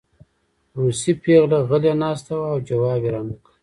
روسۍ پېغله غلې ناسته وه او ځواب یې رانکړ